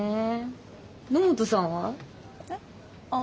野本さんは？えっ？